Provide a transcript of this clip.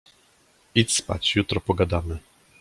Idź spać, jutro pogadamy.